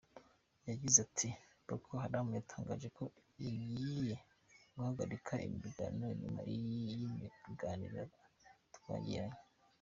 Yagize ati “Boko Haram yatangaje ko igiye guhagarika imirwano nyuma y’ibiganiro twagiranye.